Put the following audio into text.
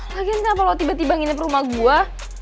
lagian kenapa lo tiba tiba nginep rumah gua